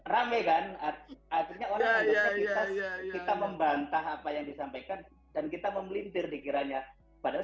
rame kan akhirnya orang punya aktivitas kita membantah apa yang disampaikan dan kita memelintir dikiranya padahal